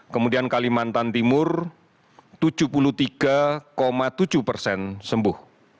kemudian kalimantan timur tujuh puluh tiga tujuh persen sembuh